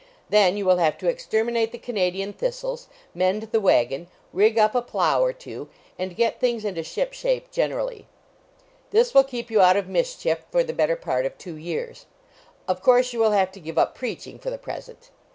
Then you will have to exterminate the Canadian thistles, mend the wagon, rig up a plow or two, and get things into ship shape generally. This will keep you out of mischief for the better part of two years; of course you will have to give up preaching, for the present.